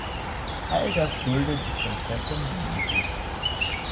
All das duldet die Prinzessin demütig.